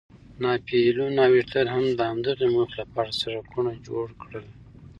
ناپلیون او هیټلر هم د همدغې موخې لپاره سړکونه جوړ کړل.